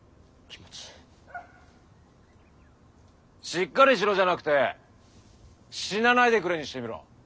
「しっかりしろ」じゃなくて「死なないでくれ」にしてみろ。